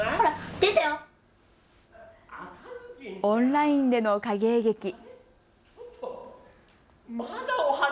オンラインでの影絵劇。